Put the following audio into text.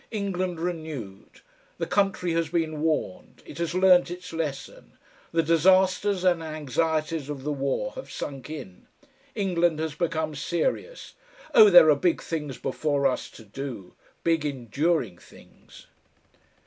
England renewed! The country has been warned; it has learnt its lesson. The disasters and anxieties of the war have sunk in. England has become serious.... Oh! there are big things before us to do; big enduring things!"